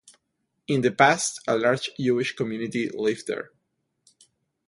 In the past a large Jewish community lived there.